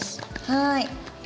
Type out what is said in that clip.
はい。